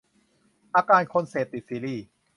อาการคนเสพติดซีรีส์